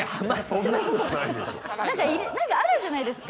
なんかあるじゃないですか。